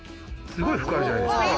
すごい服あるじゃないですか。